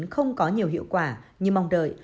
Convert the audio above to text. không có nhiều hiệu quả như mong đợi